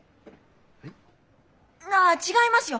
えっ？ああ違いますよ！